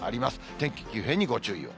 天気急変にご注意を。